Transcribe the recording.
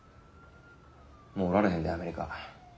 もうおられへんでアメリカ。